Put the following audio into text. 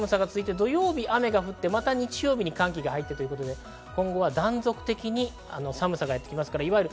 明日以降も寒さが続いて土曜日、雨が降って、また日曜日に寒気が入って、今後は断続的に寒さがやってきます。